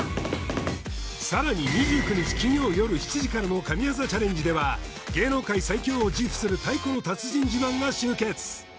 さらに２９日金曜よる７時からの「神業チャレンジ」では芸能界最強を自負する太鼓の達人自慢が集結！